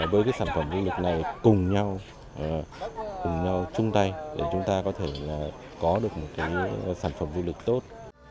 với sản phẩm du lịch này cùng nhau chung tay để chúng ta có thể có được một sản phẩm du lịch tốt